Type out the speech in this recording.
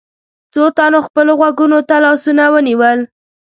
څو تنو خپلو غوږونو ته لاسونه ونيول.